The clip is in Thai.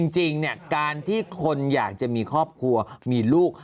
จริงการที่คนอยากจะมีครอบครัวมีลูก